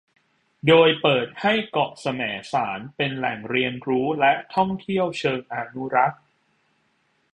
โดยเปิดให้เกาะแสมสารเป็นแหล่งเรียนรู้และท่องเที่ยวเชิงอนุรักษ์